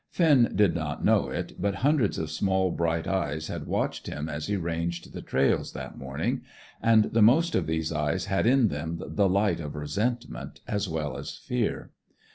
Finn did not know it, but hundreds of small bright eyes had watched him as he ranged the trails that morning; and the most of these eyes had in them the light of resentment, as well as fear.